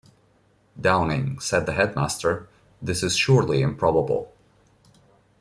Downing," said the headmaster, "this is surely improbable.